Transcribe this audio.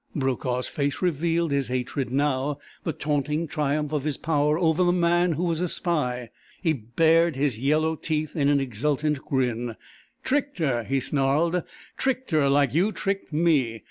Brokaw's face revealed his hatred now, the taunting triumph of his power over this man who was a spy. He bared his yellow teeth in an exultant grin. "Tricked her," he snarled. "Tricked her like you tricked me!